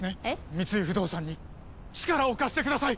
三井不動産に力を貸してください！